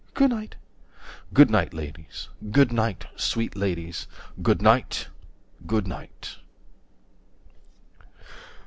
Goonight. Good night, ladies, good night, sweet ladies, good night, good night.